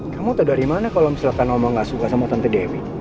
kamu tau dari mana kalau misalkan omah gak suka sama tante dewi